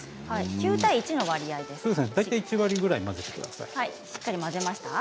９対１の割合です。